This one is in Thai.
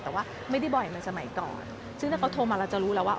แต่ว่าไม่ได้บ่อยเหมือนสมัยก่อนซึ่งถ้าเขาโทรมาเราจะรู้แล้วว่า